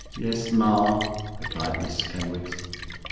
'Yes, ma,' replied Miss Kenwigs.